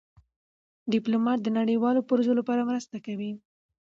ډيپلومات د نړیوالو پروژو لپاره مرسته کوي.